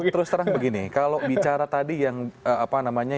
terus terang begini kalau bicara tadi yang apa namanya